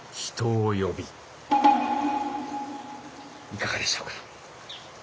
いかがでしょうか？